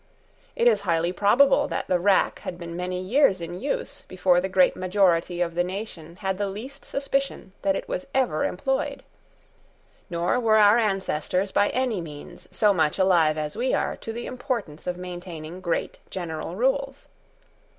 It is highly probable that the rack had been many years in use before the great majority of the nation had the least suspicion that it was ever employed. Nor were our ancestors by any means so much alive as we are to the importance of maintaining great general rules.